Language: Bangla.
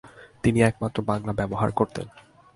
তিনি একমাত্র বাংলা ব্যবহার করতেন।